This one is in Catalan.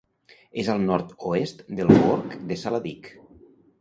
És al nord-oest del Gorg de Saladic.